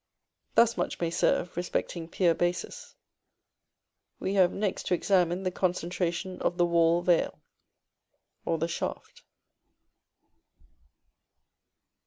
Thus much may serve respecting pier bases; we have next to examine the concentration of the Wall Veil, or the Shaft.